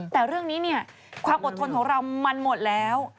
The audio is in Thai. แต่เรื่องนี้เนี่ยความอดทนของเรามันหมดแล้ว